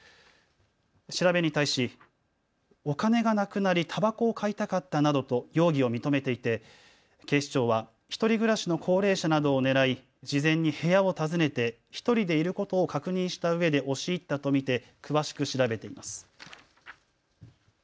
調べに対し、お金がなくなりタバコを買いたかったなどと容疑を認めていて警視庁は１人暮らしの高齢者などを狙い事前に部屋を訪ねて１人でいることを確認したうえで押し入ったと見て詳しく調べています。